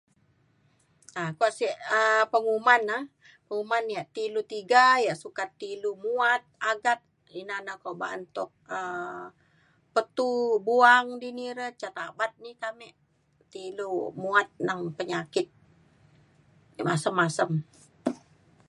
um kuak sik um penguman na penguman ya' ti ilu tiga ya' sukat ti ilu muat agat ina na ko' ba'an tok um petu buang dini re ca tabat ji ka amek ti ilu muat nang penyakit masem masem.